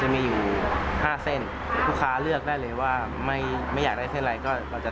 มี๕เส้นลูกค้าเลือกได้เลยว่าไม่อยากได้หรือหรือไม่อยากเลย